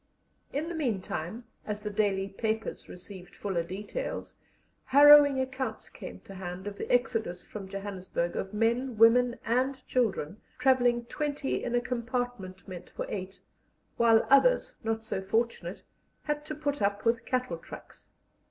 In the meantime, as the daily papers received fuller details, harrowing accounts came to hand of the exodus from Johannesburg of men, women, and children travelling twenty in a compartment meant for eight, while others, not so fortunate, had to put up with cattle trucks.